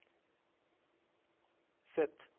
セット！